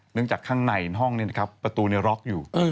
เนื่องจากข้างในห้องประตูนี่ร็อกอยู่